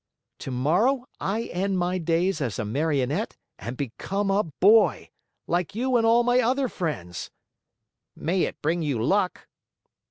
"Tomorrow I end my days as a Marionette and become a boy, like you and all my other friends." "May it bring you luck!"